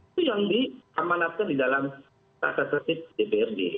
itu yang di amanatkan di dalam takat resip dprd